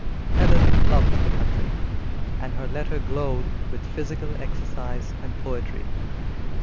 Helen loved the country, and her letter glowed with physical exercise and poetry.